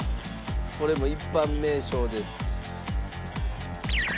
これも一般名称です。